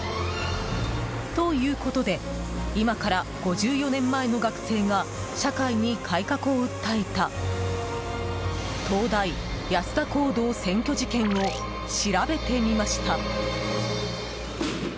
ということで、今から５４年前の学生が、社会に改革を訴えた東大安田講堂占拠事件を調べてみました。